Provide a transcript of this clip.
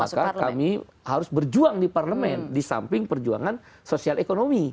maka itu kami harus berjuang di parlemen disamping perjuangan sosial ekonomi